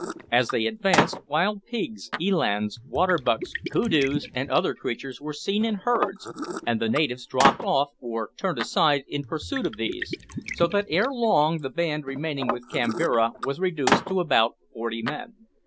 As they advanced, wild pigs, elands, waterbucks, koodoos, and other creatures, were seen in herds, and the natives dropped off, or turned aside in pursuit of these, so that ere long the band remaining with Kambira was reduced to about forty men.